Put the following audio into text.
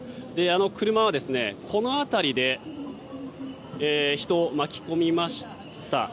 車はこの辺りで人を巻き込みました。